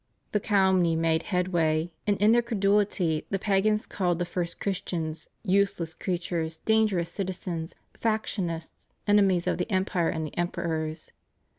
The calumny made headway; and in their credulity the pagans called the first Christians " useless creatures, dangerous citizens, factionists, enemies of the Empire and the Emperors.